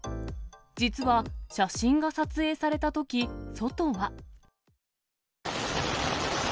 実は写真が撮影されたとき、外は。